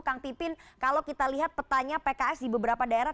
kang pipin kalau kita lihat petanya pks di beberapa daerah